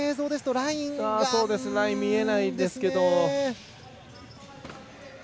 ラインが見えないんですけど。